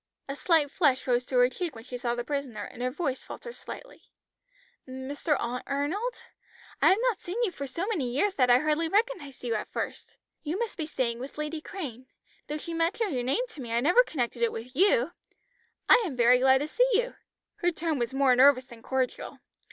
A slight flush rose to her cheek when she saw the prisoner, and her voice faltered slightly. "Mr. Arnold? I have not seen you for so many years that I hardly recognised you at first. You must be staying with Lady Crane; though she mentioned your name to me I never connected it with you. I am very glad to see you." Her tone was more nervous than cordial.